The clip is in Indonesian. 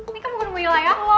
ini kan bukan wilayah loh